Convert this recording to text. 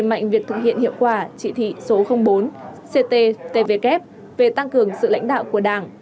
đẩy mạnh việc thực hiện hiệu quả trị thị số bốn ct tvk về tăng cường sự lãnh đạo của đảng